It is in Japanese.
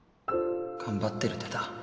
頑張ってる手だ。